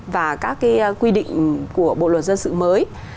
và các quy định của bộ luật dân sự mới